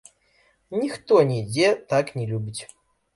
Ніхто нідзе так не любіць.